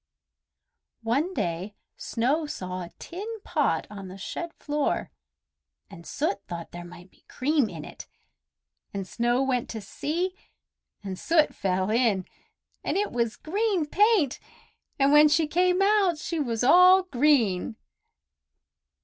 One day Snow saw a tin pot on the shed floor, and Soot thought there might be cream in it; and Snow went to see, and Soot fell in, and it was green paint, and when she came out she was all green.